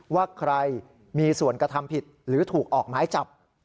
ว่าใครมีส่วนกระทำผิดหรือถูกออกหมายจับ